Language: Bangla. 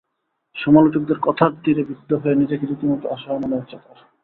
সমালোচকদের কথার তিরে বিদ্ধ হয়ে নিজেকে রীতিমতো অসহায় মনে হচ্ছে তাঁর।